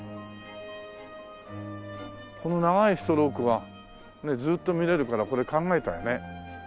この長いストロークはずっと見られるからこれ考えたよね。